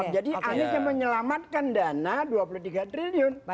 jadi anies yang menyelamatkan dana dua puluh tiga triliun